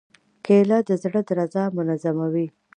کېله د زړه درزا منظموي.